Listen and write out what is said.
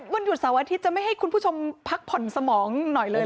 วันหยุดเสาร์อาทิตย์จะไม่ให้คุณผู้ชมพักผ่อนสมองหน่อยเลย